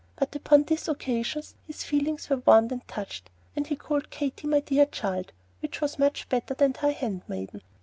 But upon this occasion his feelings were warmed and touched, and he called Katy "My dear child," which was much better than "Thy handmaiden."